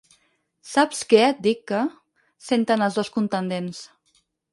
Saps què et dic que? —senten els dos contendents—.